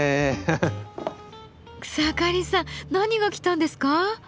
草刈さん何が来たんですか？